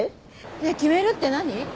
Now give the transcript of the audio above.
ねえ決めるって何？